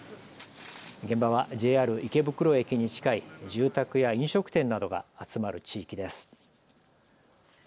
現場はＪＲ池袋駅に近い住宅や飲食店などが集まる地域です。